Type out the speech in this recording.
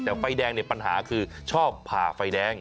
แต่ไฟแดงเนี่ยปัญหาคือชอบผ่าไฟแดง